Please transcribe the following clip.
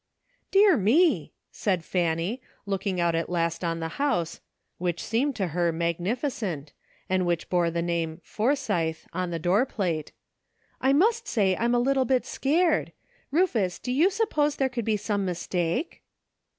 "Dear me !" said Fanny, looking out at last on the house, which seemed to her magnificent, and which bore the name " Forsythe " on the door plate, "I must say I'm a little bit scared. Rufus, do you suppose there could be some mistake